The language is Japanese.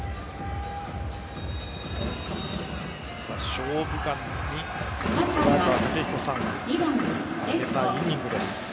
「勝負眼」と小早川毅彦さんが上げたイニングです。